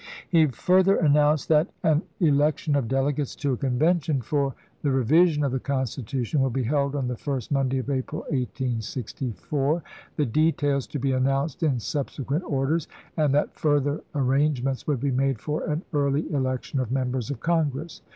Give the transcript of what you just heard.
He further announced that " an election of delegates to a Convention for the revi sion of the constitution will be held on the first Monday of April, 1864," the details to be announced in subsequent orders, and that further arrange ments would be made for an early election of Members of Congi ess.